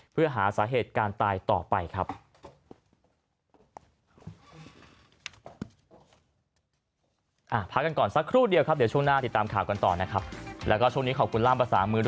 เพื่อหาสาเหตุการตายต่อไปครับ